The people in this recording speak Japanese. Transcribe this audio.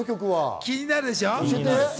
気になるでしょ？